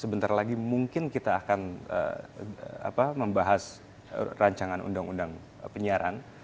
sebentar lagi mungkin kita akan membahas rancangan undang undang penyiaran